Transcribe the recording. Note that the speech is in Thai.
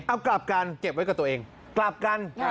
เอากลับกัน